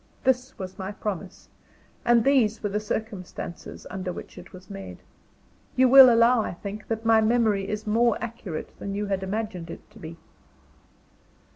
This was my promise, and these were the circumstances under which it was made. You will allow, I think, that my memory is more accurate than you had imagined it to be.